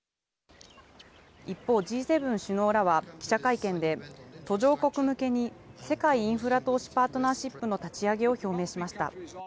一方、Ｇ７首脳らは記者会見で、途上国向けに世界インフラ投資パートナーシップの立ち上げを表明しました。